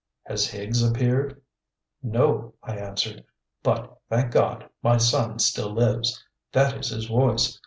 "Has Higgs appeared?" "No," I answered, "but, thank God, my son still lives. That is his voice.